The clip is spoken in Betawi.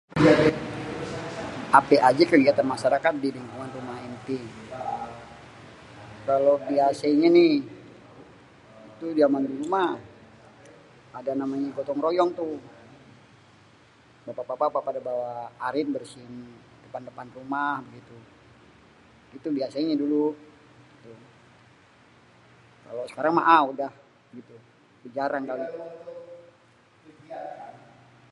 """apé ajé kégiatan masyarakat di lingkungan rumah énté?"".. kalo biasényé nih, jaman dulu mah ada namanya gotong royong tuh.. bapak-bapak pada bawa arit bersihin dépan-dépan rumah.. gitu biasanyé dulu.. kalo sekarang mah ahh udah, udah jarang kali.."